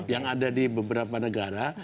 yang ada di beberapa negara